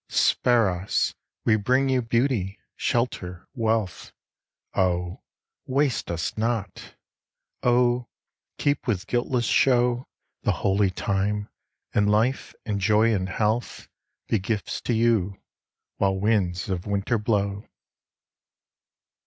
Spare us! we bring you beauty, shelter, wealth, Oh! waste us not. Oh! keep with guiltless show The Holy Time; and life, and joy, and health, Be gifts to you, while winds of Winter blow.